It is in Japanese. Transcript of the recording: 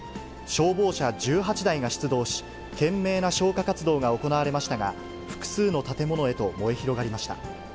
消防車１８台が出動し、懸命な消火活動が行われましたが、複数の建物へと燃え広がりました。